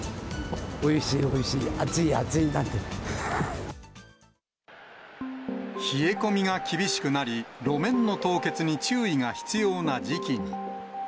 おいしいおいしい、冷え込みが厳しくなり、路面の凍結に注意が必要な時期に。